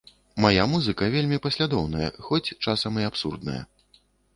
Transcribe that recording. Мая музыка вельмі паслядоўная, хоць часам і абсурдная.